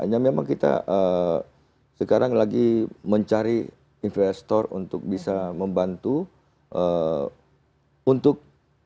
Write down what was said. hanya memang kita sekarang lagi mencari investor untuk bisa membantu untuk